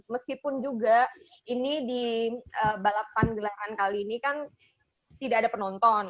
meskipun juga ini di balapan gelaran kali ini kan tidak ada penonton